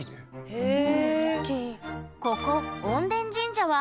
へえ。